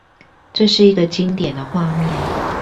這是一個經典的畫面